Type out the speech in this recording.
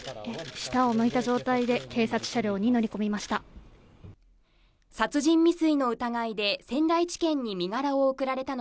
下を向いた状態で警察車両に乗り込みました。